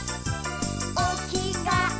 「おきがえ